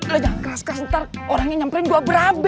lo jangan keras keras ntar orangnya nyamperin gue berabe